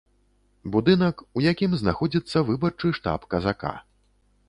Будынак, у якім знаходзіцца выбарчы штаб казака.